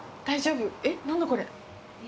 え、何だこれ。